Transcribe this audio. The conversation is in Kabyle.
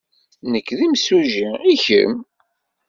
Nekk d imsujji. I kemm?